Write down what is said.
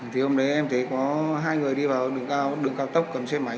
thì hôm đấy em thấy có hai người đi vào đường cao tốc cầm xe máy